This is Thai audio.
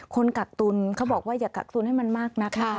กักตุลเขาบอกว่าอย่ากักตุนให้มันมากนัก